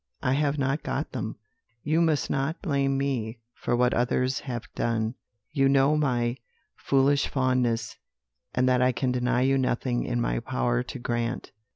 I have not got them. You must not blame me for what others have done; you know my foolish fondness, and that I can deny you nothing in my power to grant.'